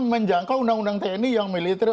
menjangkau undang undang tni yang militer